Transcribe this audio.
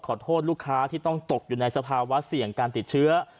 ขอโทษลูกค้าที่ต้องตกอยู่ในสภาวะเสี่ยงการติดเชื้อ